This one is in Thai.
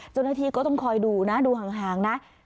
จนทีก็ต้องคอยดูนะดูห่างนะ